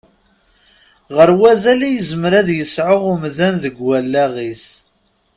Ɣer wazal i yezmer ad yesɛu umdan deg wallaɣ-is.